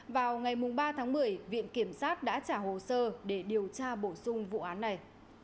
vào ngày ba tháng một mươi viện kiểm sát đã trả hồ sơ để điều tra bổ sung vụ án này